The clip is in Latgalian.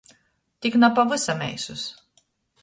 Tik na pavysam eisus!